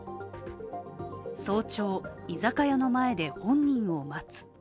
早朝、居酒屋の前で本人を待つ。